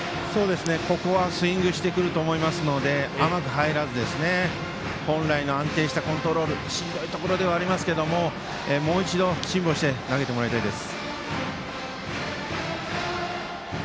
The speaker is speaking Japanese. ここはスイングしてくると思いますので、甘く入らず本来の安定したコントロールしんどいところではありますがもう一度辛抱して投げてほしいです。